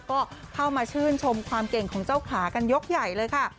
ก็เข้ามาชื่นชมความเก่งของเจ้าขากันยกใหญ่เลยค่ะ